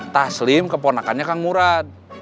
paslim keponakannya kang murad